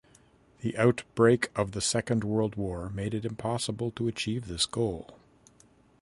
The outbreak of the Second World War made it impossible to achieve this goal.